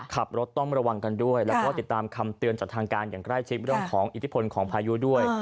ขับรถต้องระวังกันด้วยแล้วก็ติดตามคำเตือนจากทางการอย่างใกล้ชิดเรื่องของอิทธิพลของพายุด้วย